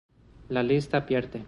La lista pierde.